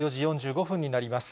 まもなく４時４５分になります。